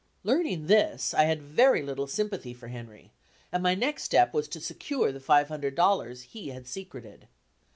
Learning this, I had very little sympathy for Henry and my next step was to secure the five hundred dollars he had secreted.